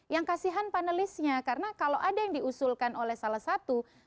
yang kasihan panelisnya karena kalau ada yang diusulkan oleh salah satu